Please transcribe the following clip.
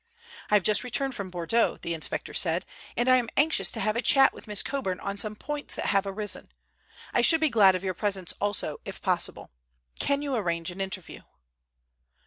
"I have just returned from Bordeaux," the inspector said, "and I am anxious to have a chat with Miss Coburn on some points that have arisen. I should be glad of your presence also, if possible. Can you arrange an interview?"